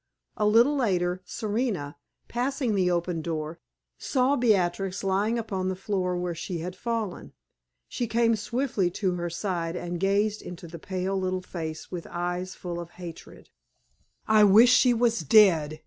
A little later, Serena, passing the open door, saw Beatrix lying upon the floor where she had fallen. She came swiftly to her side and gazed into the pale little face with eyes full of hatred. "I wish she was dead!"